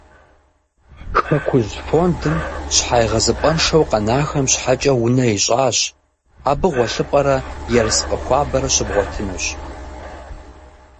«Хэкужь» фондым щхьэегъэзыпӏэншэу къэнахэм щхьэкӏэ унэ ищӏащ. Абы гъуэлъыпӏэрэ ерыскъы хуабэрэ щыбгъуэтынущ.